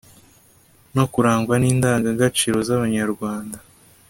no kurangwa n’indangagaciro z’Abanyarwanda